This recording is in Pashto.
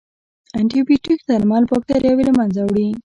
انټيبیوټیک درمل باکتریاوې له منځه وړي.